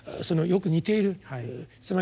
そのよく似ている。